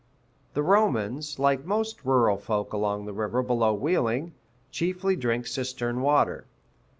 The Romans, like most rural folk along the river below Wheeling, chiefly drink cistern water.